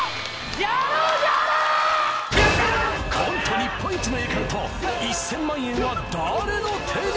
日本一の栄冠と１０００万円は誰の手に！？